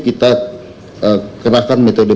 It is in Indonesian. kita kerahkan metode